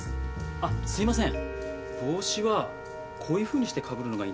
あっすいません。